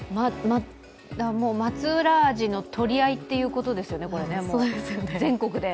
松浦アジの取り合いということですよね、これね、全国で。